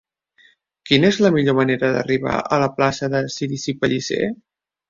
Quina és la millor manera d'arribar a la plaça de Cirici Pellicer?